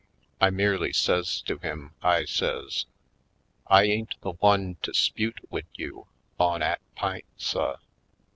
I merely says to him, I says: "I ain't the one to 'spute wid you on 'at p'int, suh.